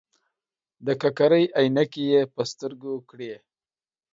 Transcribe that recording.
د ککرۍ عینکې یې په سترګو کړې.